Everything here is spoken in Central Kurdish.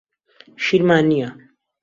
شیرمان نییە.